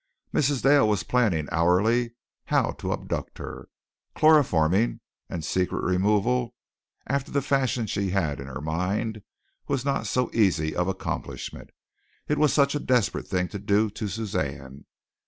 Mrs. Dale was planning hourly how to abduct her. Chloroforming and secret removal after the fashion she had in her mind was not so easy of accomplishment. It was such a desperate thing to do to Suzanne.